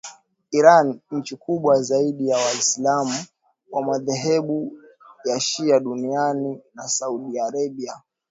Iran nchi kubwa zaidi ya waislam wa madhehebu ya shia duniani na Saudi Arabia